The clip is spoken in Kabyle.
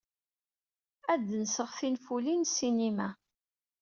Ad d-nseɣ tinfulin n ssinima.